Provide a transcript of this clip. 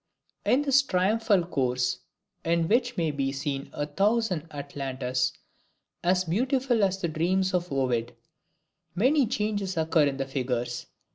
In this triumphal course, in which may be seen a thousand Atalantas as beautiful as the dreams of Ovid, many changes occur in the figures.